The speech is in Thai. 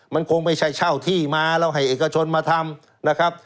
มันคงไม่ใช่เช่าที่มาแล้วให้เอกชนมาทำนะครับ